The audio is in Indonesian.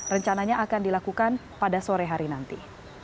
rencananya akan dilakukan pada sore hari nanti